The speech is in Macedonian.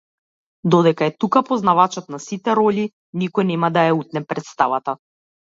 Додека е тука познавачот на сите ролји, никој нема да ја утне претставата!